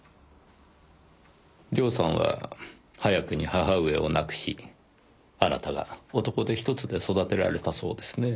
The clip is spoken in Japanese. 涼さんは早くに母上を亡くしあなたが男手ひとつで育てられたそうですねぇ。